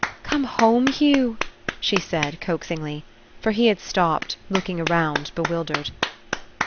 "Come home, Hugh!" she said, coaxingly; for he had stopped, looking around bewildered.